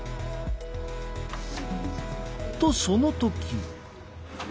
とその時。